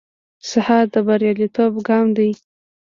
سهار د بریالیتوب ګام دی.